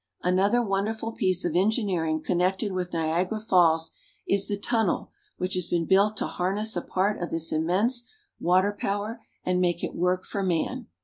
Another wonderful piece of engineering connected with Niagara Falls is the tunnel which has been built to harness a part of this immense water power and make it work for man.